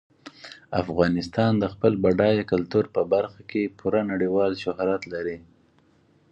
افغانستان د خپل بډایه کلتور په برخه کې پوره نړیوال شهرت لري.